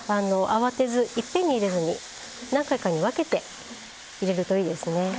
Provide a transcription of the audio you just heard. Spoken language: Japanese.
慌てずいっぺんに入れずに何回かに分けて入れるといいですね。